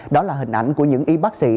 đó là hình ảnh của những y bác sĩ